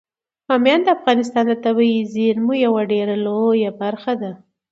بامیان د افغانستان د طبیعي زیرمو یوه ډیره لویه برخه ده.